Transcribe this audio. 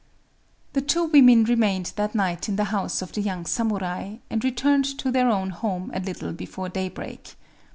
The two women remained that night in the house of the young samurai, and returned to their own home a little before daybreak.